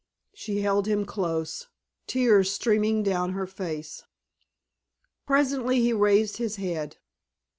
She held him close, tears streaming down her face. Presently he raised his head.